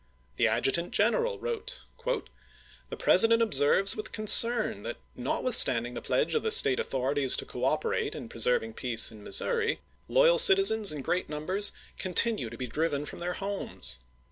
The Adjutant Greneral wrote : The President observes with concern that, notwith standing the pledge of the State authorities to cooperate in preserving peace in Missouri, loyal citizens in great numbers continue to be driven from their homes.